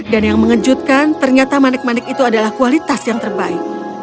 dan yang mengejutkan ternyata manik manik itu adalah kualitas yang terbaik